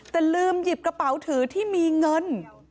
แต่ลืมหยิบกระเป๋าถือที่มีเงิน